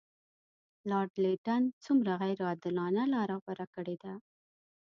لارډ لیټن څومره غیر عادلانه لار غوره کړې ده.